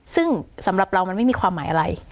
ซึ่งสำหรับเรามันไม่มีความหมายอะไร